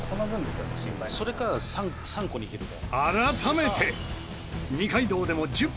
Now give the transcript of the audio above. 「それか３個に切るか」